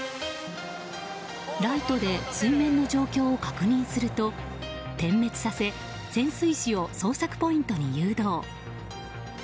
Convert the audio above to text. ライトで水面の状況を確認すると点滅させ潜水士を捜索ポイントに誘導。